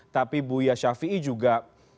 tapi buya syafiee juga